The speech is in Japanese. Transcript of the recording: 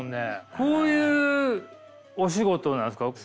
こういうお仕事なんですか？